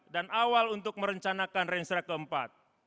dan awal untuk merencanakan rensera keempat